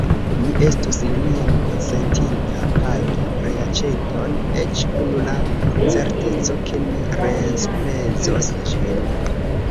Mi estus neniam konsentinta pagi reaĉeton, eĉ kun la certeco, ke mi reenspezos ĝin.